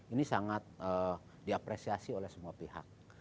ini sangat diapresiasi oleh semua pihak